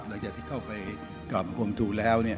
หลังจากที่เข้าไปกลับความถูกแล้วเนี่ย